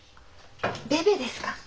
ベベですか？